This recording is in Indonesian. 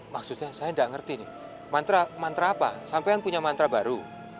maksudnya saya nggak ngerti nih mantra mantra apa sampean punya mantra baru